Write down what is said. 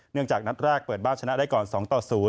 จากนัดแรกเปิดบ้านชนะได้ก่อน๒ต่อ๐